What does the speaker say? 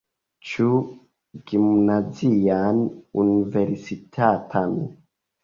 Ĉu gimnazian, universitatan?